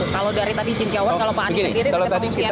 kalau dari tadi insya allah kalau pak andi sendiri pengungsiannya bagaimana